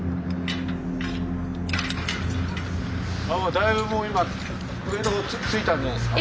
だいぶもう今上のほう着いたんじゃないですか？